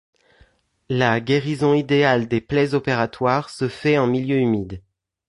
La guérison idéale des plaies opératoires se fait en milieu humide.